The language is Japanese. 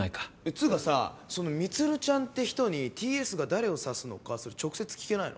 つかさその充ちゃんて人にＴ・Ｓが誰を指すのかそれ直接聞けないの？